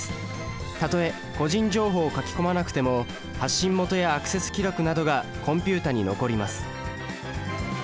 たとえ個人情報を書き込まなくても発信元やアクセス記録などがコンピュータに残ります。